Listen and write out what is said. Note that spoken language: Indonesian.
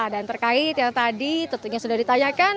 dan terkait yang tadi tentunya sudah ditanyakan